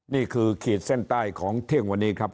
ขีดเส้นใต้ของเที่ยงวันนี้ครับ